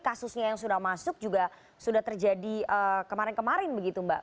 kasusnya yang sudah masuk juga sudah terjadi kemarin kemarin begitu mbak